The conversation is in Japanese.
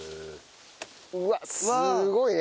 うわっすごいね。